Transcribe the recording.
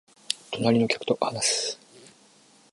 隣の客と話す